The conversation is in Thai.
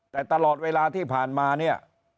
แต่ตลอดเวลาที่ผ่านมาเนี่ย